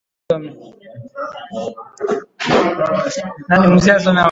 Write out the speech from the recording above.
Kongo na Rwanda zajibizana kuhusu waasi wa M ishirini na tatu